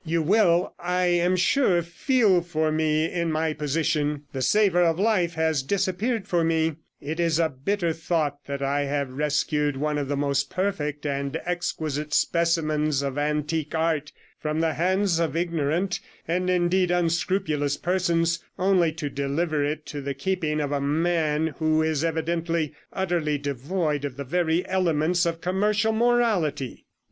You will, I am sure, feel for me in my position; the savour of life has disappeared for me; it is a bitter thought that I have rescued one of the most perfect and exquisite specimens of antique art from the hands of ignorant, and indeed unscrupulous persons, only to deliver it into the keeping of a man who is evidently utterly devoid of the very elements of commercial morality.'